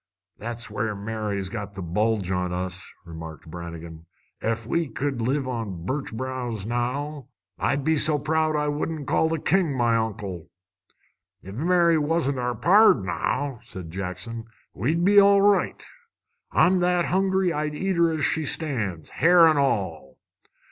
"That's where Mary's got the bulge on us," remarked Brannigan. "Ef we could live on birch browse, now, I'd be so proud I wouldn't call the King my uncle." "If Mary wasn't our pard, now," said Jackson, "we'd be all right. I'm that hungry I'd eat her as she stands, hair an' all."